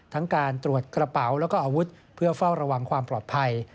ทั้งการตรวจกระเป๋าแล้วก็อาวุธเพื่อเฝ้าระวังความปลอดภัย